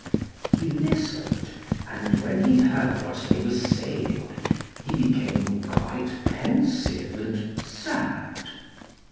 He listened, and when he heard what they were saying he became quite pensive and sad.